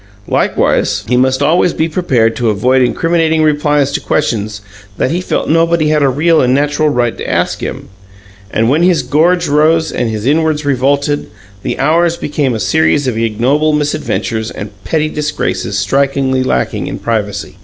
Likewise, he must always be prepared to avoid incriminating replies to questions that he felt nobody had a real and natural right to ask him. And when his gorge rose and his inwards revolted, the hours became a series of ignoble misadventures and petty disgraces strikingly lacking in privacy.